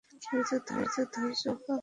একটু ধৈর্য ধরো, খোকা।